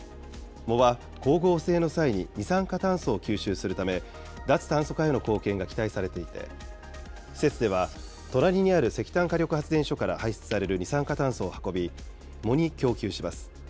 藻は、光合成の際に二酸化炭素を吸収するため、脱炭素化への貢献が期待されていて、施設では、隣にある石炭火力発電所から排出される二酸化炭素を運び、藻に供給します。